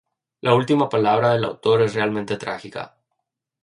La última palabra del autor es realmente trágica.